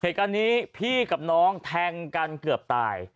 เหตุการณ์นี้พี่กับน้องแทงกันเกือบตาย